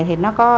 thì nó có